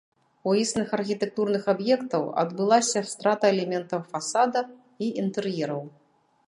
У існых архітэктурных аб'ектаў адбылася страта элементаў фасада і інтэр'ераў.